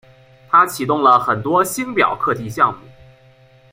他启动了很多星表课题项目。